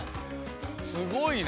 すごいな！